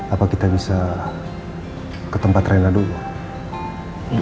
apa kita bisa ke tempat rena dulu